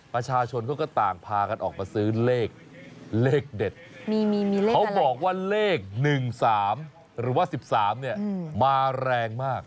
ประชาชนเขาก็ต่างพากันออกมาซื้อเลขเด็ดเขาบอกว่าเลข๑๓หรือว่า๑๓เนี่ยมาแรงมาก